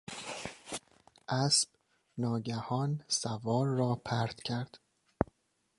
اسب ناگهان سوار را پرت کرد.